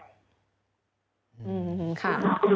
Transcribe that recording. อืมค่ะ